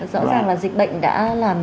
rõ ràng là dịch bệnh đã làm